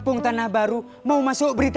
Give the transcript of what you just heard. pokoknya mualan apa marah dia itu